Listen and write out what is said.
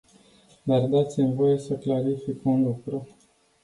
Dar dați-mi voie să clarific un lucru.